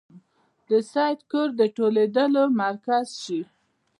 د سید کور د ټولېدلو مرکز شي.